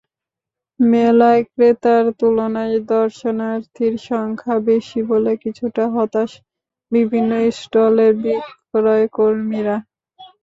মেলায় ক্রেতার তুলনায় দর্শনার্থীর সংখ্যা বেশি বলে কিছুটা হতাশ বিভিন্ন স্টলের বিক্রয়কর্মীরা।